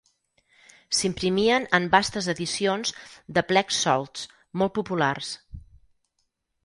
S'imprimien en bastes edicions de plecs solts molt populars.